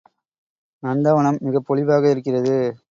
நந்தவனம் மிகப் பொலிவாக இருக்கிறது.